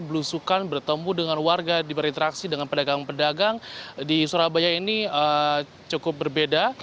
belusukan bertemu dengan warga diperinteraksi dengan pedagang pedagang di surabaya ini cukup berbeda